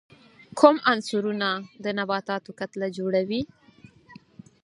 کوم عنصرونه د نباتاتو کتله جوړي؟